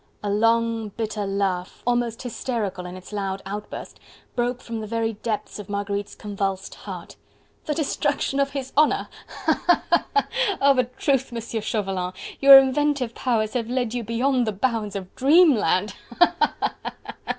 A long, bitter laugh, almost hysterical in its loud outburst, broke from the very depths of Marguerite's convulsed heart. "The destruction of his honour!... ha! ha! ha! ha!... of a truth, Monsieur Chauvelin, your inventive powers have led you beyond the bounds of dreamland!... Ha! ha! ha! ha!...